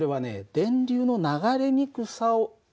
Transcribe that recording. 電流の流れにくさを表す。